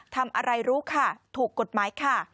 ทำอะไรรู้ค่ะถูกกฎหมายค่ะ